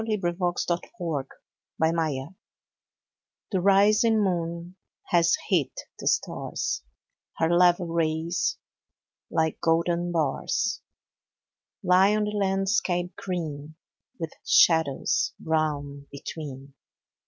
20 48 ENDMYION ENDYMION The rising moon has hid the stars ; Her level rays, like golden bars, Lie on the landscape green, With shadows brown between.